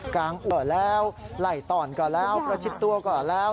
ก่อนแล้วไหล่ตอนก่อนแล้วประชิดตัวก่อนแล้ว